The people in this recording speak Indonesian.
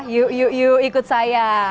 yuk yuk ikut saya